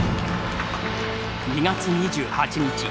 ２月２８日。